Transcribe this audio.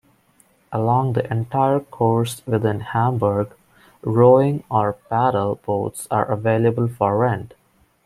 Along the entire course within Hamburg, rowing or paddle boats are available for rent.